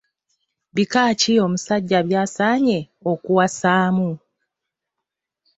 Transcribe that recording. Bika ki omusajja by’atasanye kuwasaamu?.